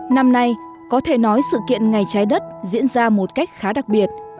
năm nay có thể nói sự kiện ngày trái đất diễn ra một cách khá đặc biệt